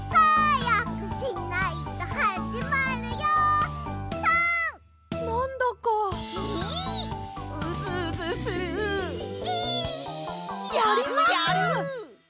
やるやる！